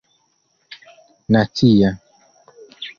nacia